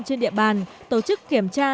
trên địa bàn tổ chức kiểm tra